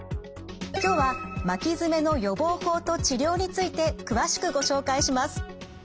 今日は巻き爪の予防法と治療について詳しくご紹介します。